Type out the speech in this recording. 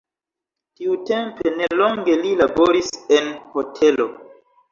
Tiutempe nelonge li laboris en hotelo.